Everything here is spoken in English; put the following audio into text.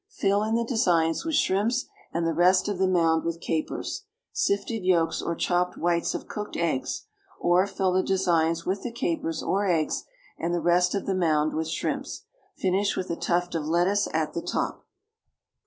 Fill in the designs with shrimps and the rest of the mound with capers, sifted yolks or chopped whites of cooked eggs; or fill the designs with the capers or eggs and the rest of the mound with shrimps. Finish with a tuft of lettuce at the top.